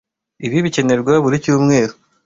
ibi bikenerwa buri cyumweru.